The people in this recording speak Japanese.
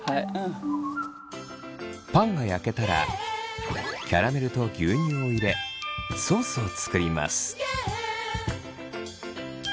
パンが焼けたらキャラメルと牛乳を入れソースを作ります。